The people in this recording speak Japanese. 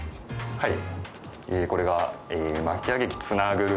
はい。